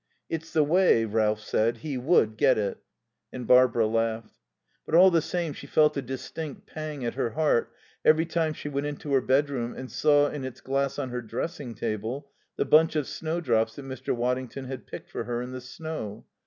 "It's the way," Ralph said, "he would get it." And Barbara laughed. But, all the same, she felt a distinct pang at her heart every time she went into her bedroom and saw, in its glass on her dressing table, the bunch of snowdrops that Mr. Waddington had picked for her in the snow.